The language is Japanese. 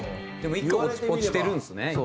でも落ちてるんですね